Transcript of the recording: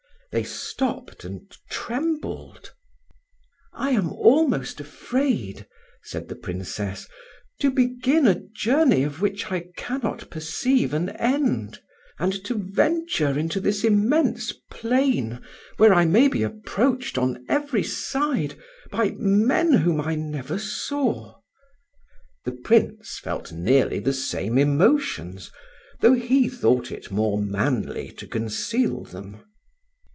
They stopped and trembled. "I am almost afraid," said the Princess, "to begin a journey of which I cannot perceive an end, and to venture into this immense plain where I may be approached on every side by men whom I never saw." The Prince felt nearly the same emotions, though he thought it more manly to conceal them.